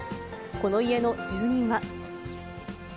この家の住人は。